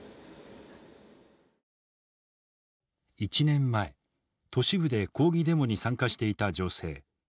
１年前都市部で抗議デモに参加していた女性。